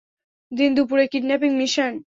দিন দুপুরে kidnapping mission.